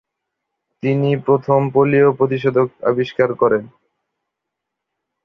তিনি প্রথম পোলিও প্রতিষেধক আবিষ্কার করেন।